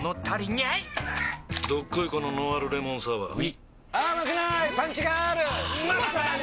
どっこいこのノンアルレモンサワーうぃまさに！